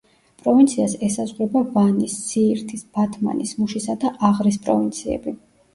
პროვინციას ესაზღვრება ვანის, სიირთის, ბათმანის, მუშისა და აღრის პროვინციები.